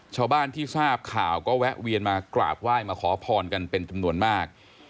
ชาวบ้านที่ทราบข่าวก็แวะเวียนมากราบไหว้มาขอพรกันเป็นจำนวนมาก